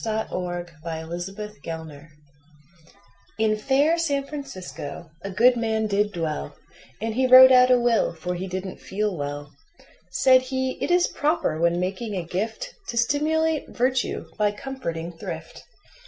Ambrose Bierce The Legatee IN fair San Francisco a good man did dwell, And he wrote out a will, for he didn't feel well. Said he: "It is proper, when making a gift, To stimulate virtue by comforting thrift."